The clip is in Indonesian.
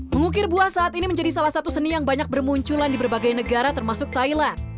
mengukir buah saat ini menjadi salah satu seni yang banyak bermunculan di berbagai negara termasuk thailand